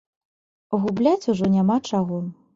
Губляць ужо няма чаго.